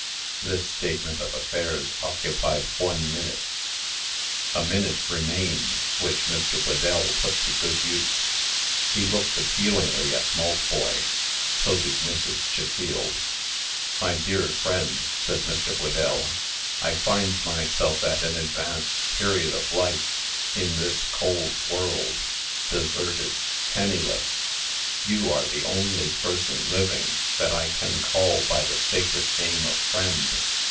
This statement of affairs occupied one minute. A minute remained, which Mr. Whedell put to good use. He looked appealingly at Maltboy. So did Mrs. Chiffield. "My dear friend," said Mr. Whedell, "I find myself, at an advanced period of life, in this cold world, deserted, penniless. You are the only person living that I can call by the sacred name of friend.